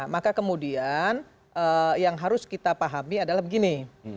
maka kemudian yang harus kita pahami adalah begini